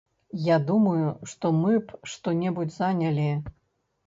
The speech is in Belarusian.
Я думаю, што мы б што-небудзь занялі.